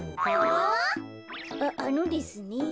ああのですね